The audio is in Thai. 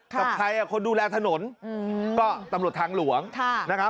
กับใครคนดูแลถนนก็ตำรวจทางหลวงนะครับ